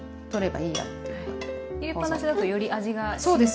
入れっぱなしだとより味が浸透する。